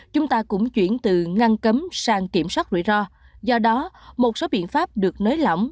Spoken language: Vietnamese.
chúng ta cũng chuyển từ ngăn cấm sang kiểm soát rủi ro do đó một số biện pháp được nới lỏng